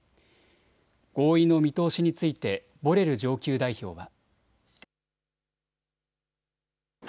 合意の見通しについてボレル上級代表は。